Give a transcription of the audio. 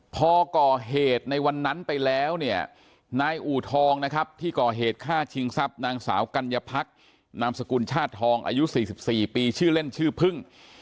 พอก่อเหตุในวันนั้นไปแล้วเนี่ยนายอูทองนะครับที่ก่อเหตุฆ่าชิงทรัพย์นางสาวกัญญาพักนามสกุลชาติทองอายุ๔๔ปีชื่อเล่นชื่อพึ่ง